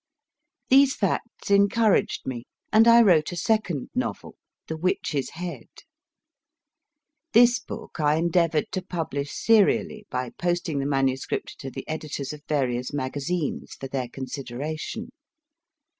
These facts encouraged me, and I wrote a second novel The Witch s Head. This book I endeavoured to publish L 146 MY FIRST BOOK serially by posting the MS. to the editors of various maga zines for their consideration.